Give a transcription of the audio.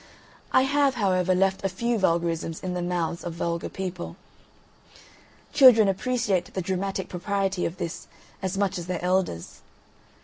I have, however, left a few vulgarisms in the mouths of vulgar people. Children appreciate the dramatic propriety of this as much as their elders.